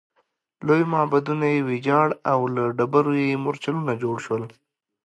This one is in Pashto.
لوی معبدونه یې ویجاړ او له ډبرو یې مورچلونه جوړ شول